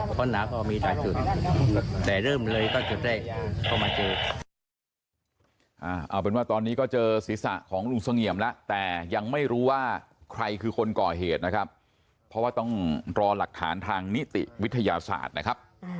คนหนาก็มีต่างจุดแต่เริ่มเลยก็จะได้เข้ามาเจอ